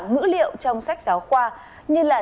ngữ liệu trong sách giáo khoa như là